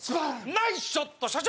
ナイスショット社長！